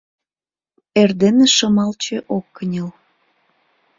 Эрдене Шымалче ок кынел.